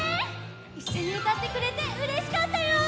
いっしょにうたってくれてうれしかったよ！